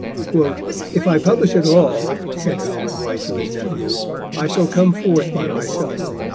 "If I publish at all," said Gilbert White to his nephew, "I shall come forth by myself."